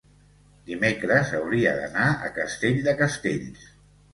Dimecres hauria d'anar a Castell de Castells.